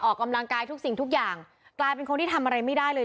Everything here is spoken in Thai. ออกกำลังกายทุกสิ่งทุกอย่างกลายเป็นคนที่ทำอะไรไม่ได้เลย